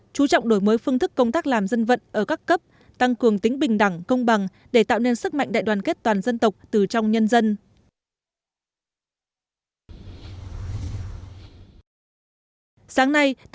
chú trọng đổi mới phương thức công tác làm dân vận ở các cấp tăng cường tính bình đẳng công bằng để tạo nên sức mạnh đại đoàn kết toàn dân tộc từ trong nhân dân